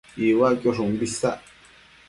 Iuaquiosh umbi isac